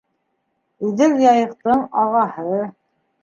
Иҙел- Яйыҡтыңағаһы